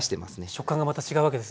食感がまた違うわけですね。